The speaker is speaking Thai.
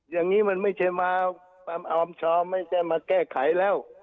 อย่างนี้มันไม่ใช่มาออมชอบไม่ใช่มาแก้ไขแล้ว